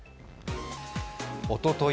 おととい